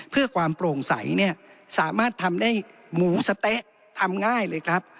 เพื่อความโปร่งใสเนี่ยสามารถทำได้หมูสะเต๊ะทำง่ายเลยครับ